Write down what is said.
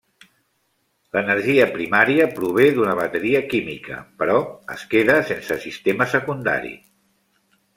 L'energia primària prové d'una bateria química, però es queda sense sistema secundari.